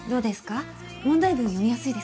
問題文読みやすいですか？